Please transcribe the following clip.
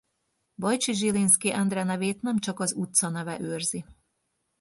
Bajcsy-Zsilinszky Endre nevét nem csak az utca neve őrzi.